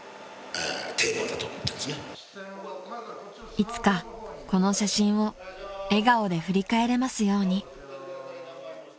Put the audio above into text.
［いつかこの写真を笑顔で振り返れますように］